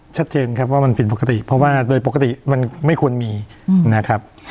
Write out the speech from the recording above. ชัดเจนครับว่ามันผิดปกติเพราะว่าโดยปกติมันไม่ควรมีนะครับ